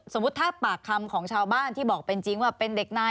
สมมุติถ้าปากคำของชาวบ้านที่บอกเป็นจริงว่าเป็นเด็กนาย